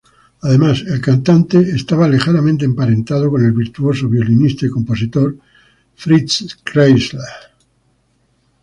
Además, el cantante estaba lejanamente emparentado con el virtuoso violinista y compositor Fritz Kreisler.